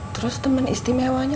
terus temen istimewanya